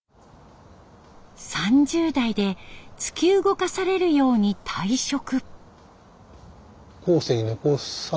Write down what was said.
３０代で突き動かされるように退職。